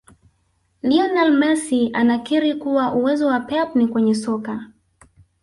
Lionel Messi anakiri kuwa uwezo wa pep ni kwenye soka